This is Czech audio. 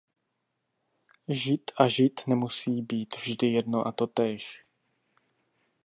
Žid a žid nemusí být vždy jedno a totéž.